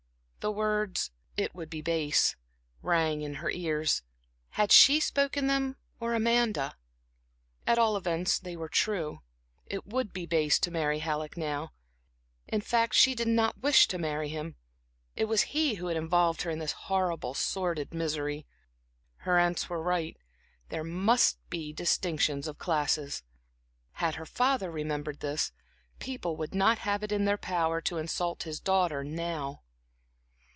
The words "it would be base," rang in her ears. Had she spoken them, or Amanda? At all events, they were true. It would be base to marry Halleck now. In fact, she did not wish to marry him. It was he who had involved her in this horrible, sordid misery. Her aunts were right; there must be distinctions of classes. Had her father remembered this, people would not have it in their power to insult his daughter now.